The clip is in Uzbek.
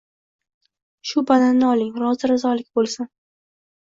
Shu bananni oling, rozi-rizolik boʻlsin